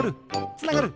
つながる！